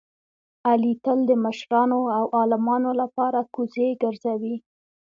علي تل د مشرانو او عالمانو لپاره کوزې ګرځوي.